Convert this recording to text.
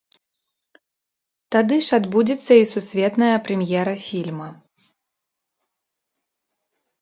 Тады ж адбудзецца і сусветная прэм'ера фільма.